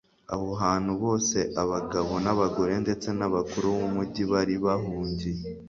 aho abantu bose, abagabo n'abagore ndetse n'abakuru b'umugi bari bahungiye